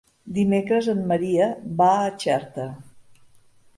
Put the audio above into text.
Dimecres en Maria va a Xerta.